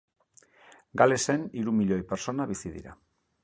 Galesen hiru milioi pertsona bizi dira.